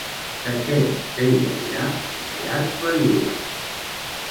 De què feia ja un llarg període?